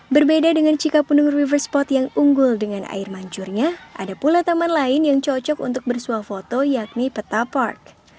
berbeda dengan cikapundung riverspot yang unggul dengan air mancurnya ada pula taman lain yang cocok untuk bersuah foto yakni peta park